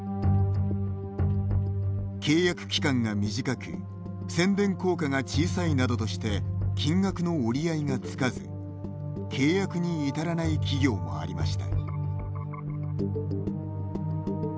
契約期間が短く宣伝効果が小さいなどとして金額の折合いがつかず契約に至らない企業もありました。